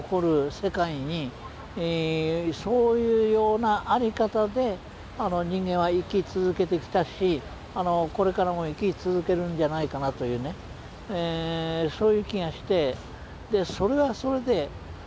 世界にそういうような在り方で人間は生き続けてきたしこれからも生き続けるんじゃないかなというねそういう気がしてそれはそれで面白い事かと思うんですよ。